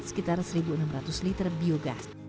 sekitar satu enam ratus liter biogas